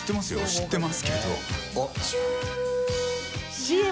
知ってますけど。